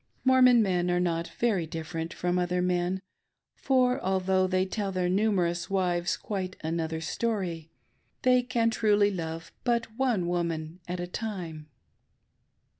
Mormon men are not very different from other men ; for although they tell their numerous wives quite another story, they can truly love but one woman at a time.